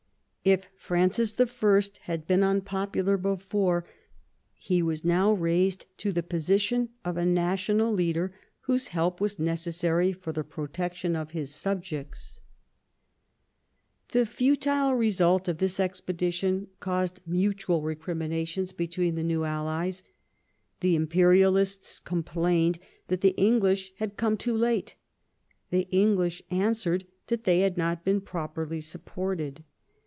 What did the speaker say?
If Francis I. had been un popular before, he was now raised to the position of a national leader whose help was necessary for the pro tection of his subjects. VI THE IMPERIAL ALLIANCE 91 The futile result of this expedition caused mutual recriminations between the new allies. The imperialists complained that the English had come too late; the English answered that they had not been properly supported.